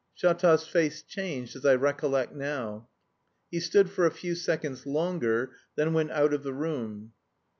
Shatov's face changed, as I recollect now. He stood for a few seconds longer, then went out of the room.